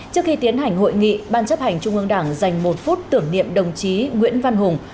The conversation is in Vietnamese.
trước khi tiến hành hội nghị ban chấp hành trung ương đảng dành một phút tưởng niệm đồng chí nguyễn văn hùng